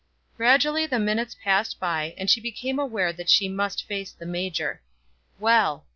Gradually the minutes passed by, and she became aware that she must face the major. Well!